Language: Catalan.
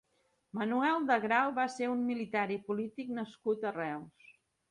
Manuel de Grau va ser un militar i polític nascut a Reus.